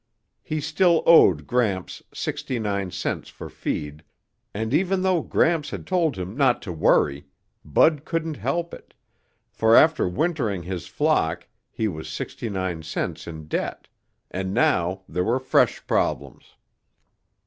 He still owed Gramps sixty nine cents for feed, and even though Gramps had told him not to worry, Bud couldn't help it, for after wintering his flock he was sixty nine cents in debt, and now there were fresh problems.